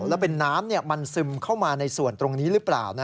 แล้วเป็นน้ำมันซึมเข้ามาในส่วนตรงนี้หรือเปล่า